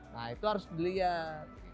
nah itu harus dilihat